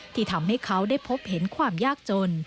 ที่ทำให้เขาได้พบเห็นความยากจน